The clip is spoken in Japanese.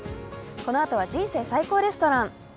このあとは「人生最高レストラン」。